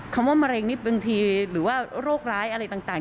คำว่ามะเร็งนิบหนึ่งทีหรือว่าโรคร้ายอะไรต่าง